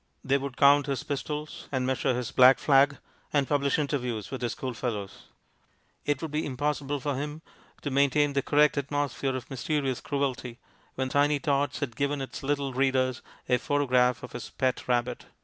They would count his pistols, and measure his black flag, and publish interviews with his school fellows. It would be impossible for him to maintain the correct atmosphere of mys terious cruelty when Tiny Tots had given its little readers a photograph of his pet rabbit.